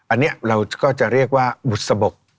อันนี้เราก็จะเรียกว่าบุษบก